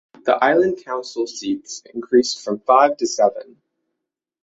The Island Council seats increased from five to seven.